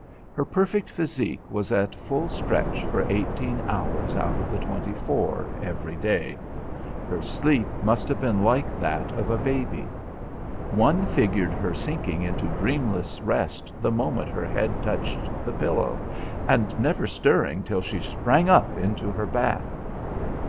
Her perfect physique was at full stretch for eighteen hours out of the twenty four every day. Her sleep must have been like that of a baby. One figured her sinking into dreamless rest the moment her head touched the pillow, and never stirring till she sprang up into her bath.